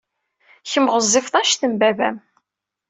Kemm ɣezzifeḍ anect n baba-m.